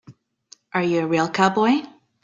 Are you a real cowboy?